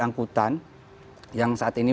angkutan yang saat ini